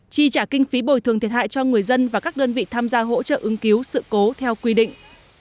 chi trả kinh phí bồi thường thiệt hại cho người dân và các đơn vị tham gia hỗ trợ ứng cứu sự cố theo quy định